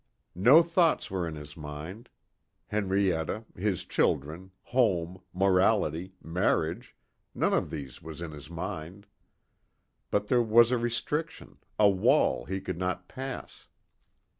No thoughts were in his mind. Henrietta, his children, home, morality, marriage, none of these was in his mind. But there was a restriction, a wall he could not pass.